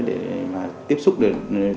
để mà tiếp xúc được